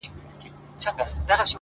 څه مسافره یمه خير دی ته مي ياد يې خو!!